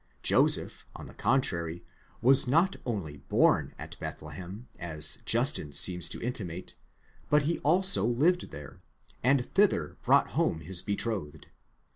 Joseph, on the contrary, was not only born at Bethlehem, as Justin seems to intimate, but also lived there, and thither brought home his betrothed.